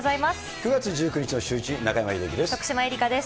９月１９日のシューイチ、中山秀征です。